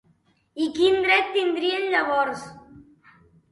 I quin dret tindrien, llavors?